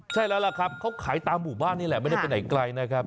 ใช่แล้วล่ะครับเขาขายตามหมู่บ้านนี่แหละไม่ได้ไปไหนไกลนะครับ